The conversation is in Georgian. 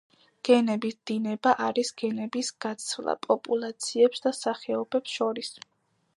გენების დინება არის გენების გაცვლა პოპულაციებს და სახეობებს შორის.